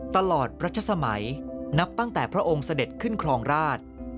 ตลอดรัชสมัยนับตั้งแต่พระองค์เสด็จขึ้นครองราช